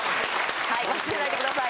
はい忘れないでください